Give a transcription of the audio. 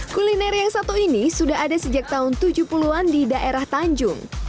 kuliner yang satu ini sudah ada sejak tahun tujuh puluh an di daerah tanjung